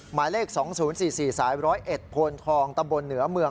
หมายเลข๒๐๔๔สาย๑๐๑โพนทองตำบลเหนือเมือง